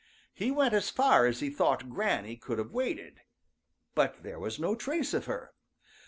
He went as far as he thought Granny could have waded, but there was no trace of her.